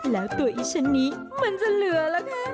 แล้วตัวอีชันนี้มันจะเหลือล่ะคะ